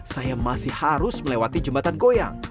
saya masih harus melewati jembatan goyang